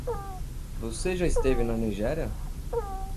Você já esteve na Nigéria?